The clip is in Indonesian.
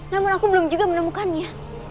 namun aku belum juga menemukannya